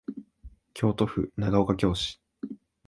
京都府長岡京市